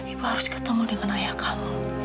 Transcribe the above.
ibu harus ketemu dengan ayah kamu